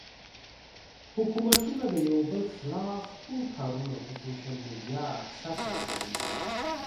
حکومتونه د يو بل خلاف ټول کارونه پۀ سوشل ميډيا سر ته رسوي